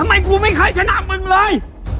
ทำไมกูไม่ใช่ชนะมึงเลย